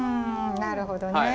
なるほどね。